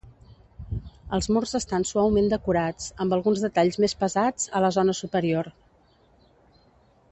Els murs estan suaument decorats, amb alguns detalls més pesats a la zona superior.